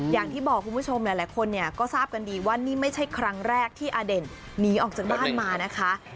อย่างที่บอกคุณผู้ชมหลายคนเนี่ยก็ทราบกันดีว่านี่ไม่ใช่ครั้งแรกที่อเด่นหนีออกจากบ้านมานะคะ